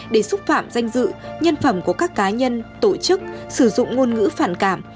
để xúc phạm danh dự nhân phẩm của các cá nhân tổ chức sử dụng ngôn ngữ phản cảm